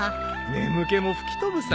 眠気も吹き飛ぶさ。